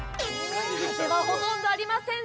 風はほとんどありません。